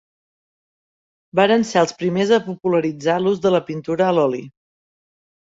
Varen ser els primers a popularitzar l'ús de la pintura a l'oli.